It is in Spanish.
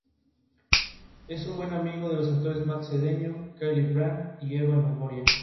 La Dror era una ametralladora accionada por retroceso y enfriada por aire.